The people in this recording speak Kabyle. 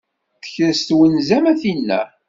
Tekres twenza-m a tinna.